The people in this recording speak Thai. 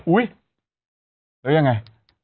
อุ๊ยแล้วยังไง